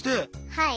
はい。